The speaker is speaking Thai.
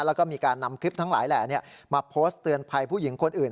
แล้วก็มีการนำคลิปทั้งหลายแหล่มาโพสต์เตือนภัยผู้หญิงคนอื่น